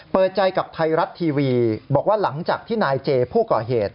เปิดใจกับไทยรัฐทีวีบอกว่าหลังจากที่นายเจผู้ก่อเหตุ